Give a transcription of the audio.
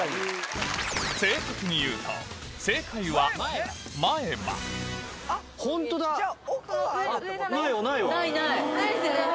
正確に言うとないですよね